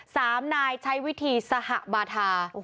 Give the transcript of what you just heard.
สามนายใช้วิธีสหบาทา